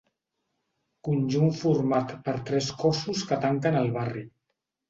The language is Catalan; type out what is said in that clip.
Conjunt format per tres cossos que tanquen el barri.